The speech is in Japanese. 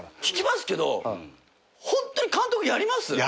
聞きますけどホントに監督やります？